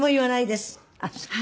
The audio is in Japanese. あっそう。